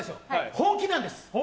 本気なんです。